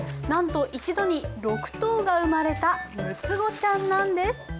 なんと一度に６頭が生まれた６つ子ちゃんなんです。